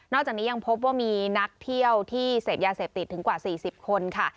จากนี้ยังพบว่ามีนักเที่ยวที่เสพยาเสพติดถึงกว่า๔๐คนค่ะ